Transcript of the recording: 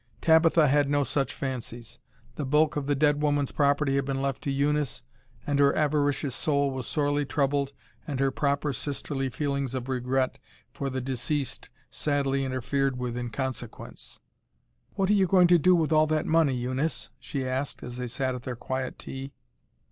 Tabitha had no such fancies. The bulk of the dead woman's property had been left to Eunice, and her avaricious soul was sorely troubled and her proper sisterly feelings of regret for the deceased sadly interfered with in consequence. "What are you going to do with all that money, Eunice?" she asked as they sat at their quiet tea.